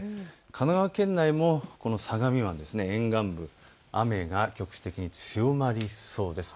神奈川県内も相模湾沿岸部雨が局地的に強まりそうです。